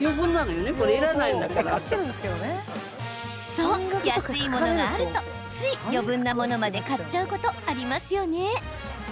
そう、安いものがあるとつい余分なものまで買っちゃうことありますよね。